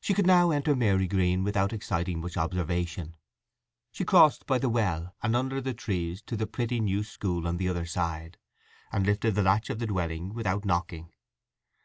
She could now enter Marygreen without exciting much observation. She crossed by the well and under the trees to the pretty new school on the other side, and lifted the latch of the dwelling without knocking.